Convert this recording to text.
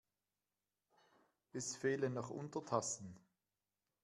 Es fehlen noch Untertassen.